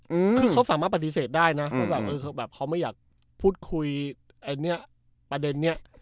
คือเขาสามารถปฏิเสธได้นะเขาไม่อยากพูดคุยประเด็นนี้